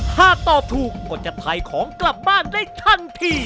หากตอบถูกก็จะถ่ายของกลับบ้านได้ทันที